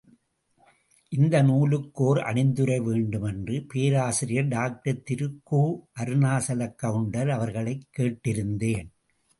இந்த நூலுக்கு ஓர் அணிந்துரை வேண்டுமென்று, பேராசிரியர் டாக்டர் திரு கு. அருணாசலக்கவுண்டர் அவர்களைக் கேட்டிருந்தேன்.